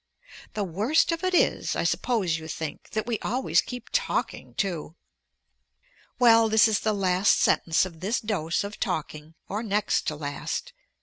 The worst of it is, I suppose you think, that we always keep talking too. Well, this is the last sentence of this dose of talking; or next to last.